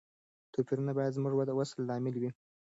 توپیرونه باید زموږ د وصل لامل وي.